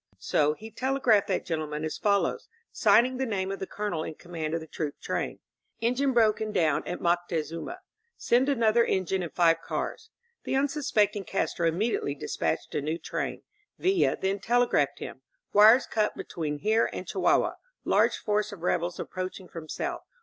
So he tele graphed that gentleman as follows, signing the name of the Colonel in command of the troop train: ^En gine broken down at Moctezuma. Send another engine and five cars." The unsuspecting Castro immediately dispatched a new train. Villa then telegraphed him: •'Wires cut between here and Chihuahua. Large force of rebels approaching from south.